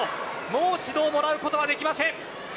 もう指導をもらうことはできません。